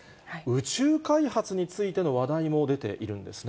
宇宙開発についての話題も出ているんですね。